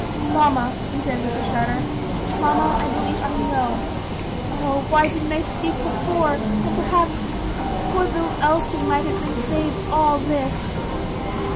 "Mamma," he said with a shudder, "mamma, I believe I know. Oh! why didn't I speak before, and, perhaps, poor little Elsie might have been saved all this."